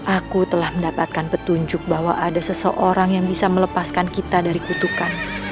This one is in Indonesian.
aku telah mendapatkan petunjuk bahwa ada seseorang yang bisa melepaskan kita dari kutukan